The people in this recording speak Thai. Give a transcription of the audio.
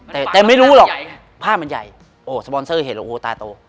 แต่ไม่รู้หรอกภาพมันใหญ่โอ้สปอนเซอร์เห็นโอ้โหตาโต